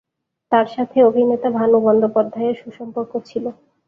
তাঁর সাথে অভিনেতা ভানু বন্দ্যোপাধ্যায়ের সুসম্পর্ক ছিল।